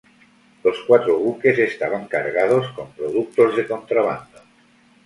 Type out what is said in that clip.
Los cuatro buques estaban cargados con productos de contrabando.